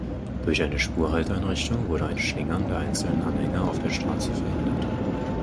Durch eine Spurhalteeinrichtung wurde ein Schlingern der einzelnen Anhänger auf der Straße verhindert.